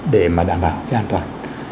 để mà đảm bảo cái an toàn